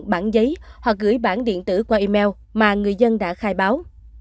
bản giấy hoặc gửi bản điện tử qua email mà người dân đã khai báo